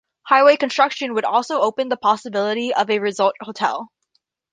Highway construction would also open the possibility of a resort hotel.